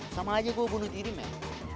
sama aja gua bunuh diri men